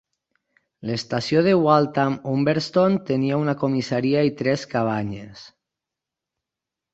L'estació de Waltham Humberston tenia una comissaria i tres cabanyes.